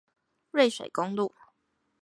瑞水公路